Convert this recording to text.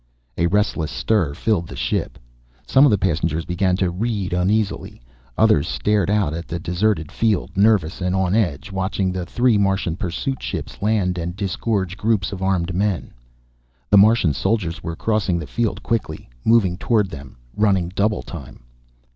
A restless stir filled the ship. Some of the passengers began to read uneasily, others stared out at the deserted field, nervous and on edge, watching the three Martian pursuit ships land and disgorge groups of armed men. The Martian soldiers were crossing the field quickly, moving toward them, running double time.